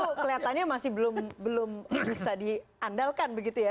itu kelihatannya masih belum bisa diandalkan begitu ya